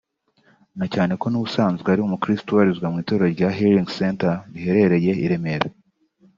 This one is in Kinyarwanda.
na cyane ko n'ubusanzwe ari umukristo ubarizwa mu itorero rya Healing Centre riherereye i Remera